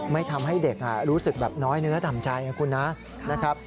ไม่ทำให้เด็กรู้สึกแบบน้อยเนื้อต่ำใจนะคุณนะครับ